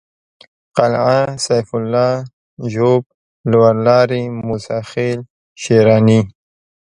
قلعه سيف الله ژوب لورلايي موسی خېل شېراني